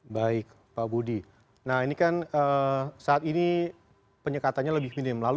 baik pak budi nah ini kan saat ini penyekatannya lebih minim